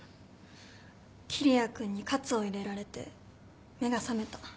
桐矢君に喝を入れられて目が覚めた。